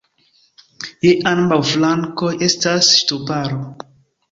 Je ambaŭ flankoj estas ŝtuparo.